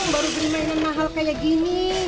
baru beli mainan mahal kayak gini